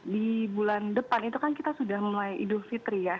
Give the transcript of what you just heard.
di bulan depan itu kan kita sudah mulai idul fitri ya